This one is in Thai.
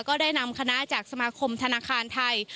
ก็ได้นำคณะจากสมาคมธนาคารไทย